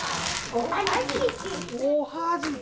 おはじき。